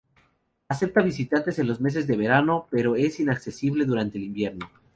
Acepta visitantes en los meses de verano, pero es inaccesible durante el invierno.